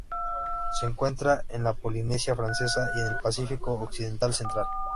Se encuentra en la Polinesia Francesa y en el Pacífico occidental central.